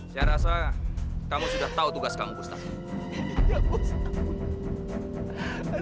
saya rasa kamu sudah tahu tugas kamu ustadz